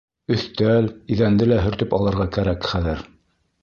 Өҫтәл, иҙәнде лә һөртөп алырға кәрәк хәҙер.